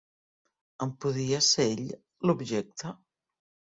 En podia ser ell l'objecte?